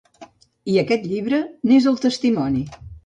i aquest llibre n'és el testimoni